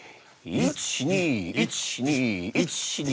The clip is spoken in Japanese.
１２１２１２。